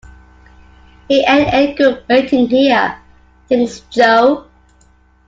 "It ain't any good waiting here," thinks Jo.